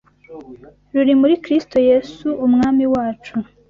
ruri muri Kristo Yesu Umwami wacu